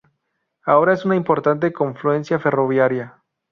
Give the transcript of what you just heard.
Ahora es una importante confluencia ferroviaria.